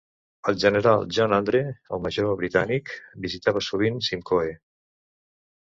El general John Andre, el major britànic, visitava sovint Simcoe.